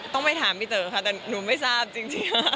ต้องไปถามพี่เต๋อค่ะแต่หนูไม่ทราบจริง